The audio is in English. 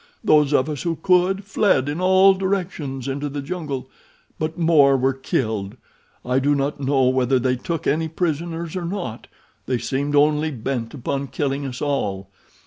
Those of us who could fled in all directions into the jungle, but more were killed. I do not know whether they took any prisoners or not—they seemed only bent upon killing us all.